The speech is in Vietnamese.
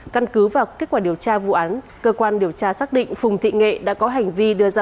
căn cứ vào kết quả điều tra vụ án cơ quan điều tra xác định phùng thị nghệ đã có hành vi đưa ra